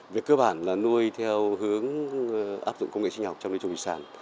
việc cơ bản là nuôi theo hướng áp dụng công nghệ sinh học trong hồng vị sản